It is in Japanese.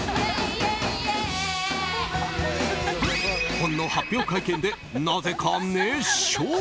本の発表会見で、なぜか熱唱。